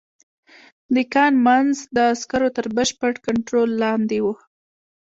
د کان منځ د عسکرو تر بشپړ کنترول لاندې و